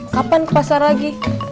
kapan ke pasar lagi